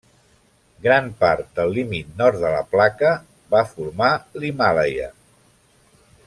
Gran part del límit nord de la placa va formar l'Himàlaia.